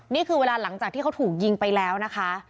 นี่คือเวลาหลังจากที่เขาถูกยิงไปแล้วนะคะ